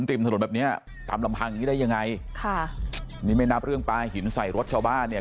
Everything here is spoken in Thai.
ริมถนนแบบเนี้ยตามลำพังอย่างงี้ได้ยังไงค่ะนี่ไม่นับเรื่องปลาหินใส่รถชาวบ้านเนี่ย